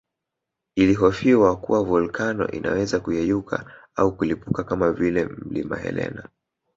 Ilihofiwa kuwa volkano inaweza kuyeyuka au kulipuka kama vile Mlima Helena